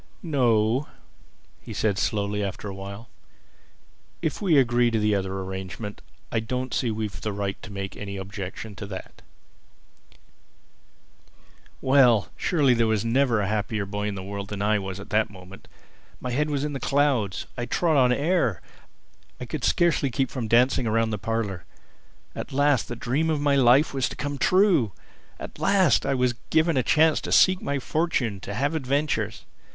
"No," he said slowly after a while. "If we agree to the other arrangement I don't see that we've the right to make any objection to that." Well, there surely was never a happier boy in the world than I was at that moment. My head was in the clouds. I trod on air. I could scarcely keep from dancing round the parlor. At last the dream of my life was to come true! At last I was to be given a chance to seek my fortune, to have adventures!